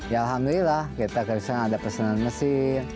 ya alhamdulillah kita kesana ada pesanan mesin